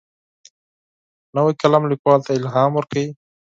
نوی قلم لیکوال ته الهام ورکوي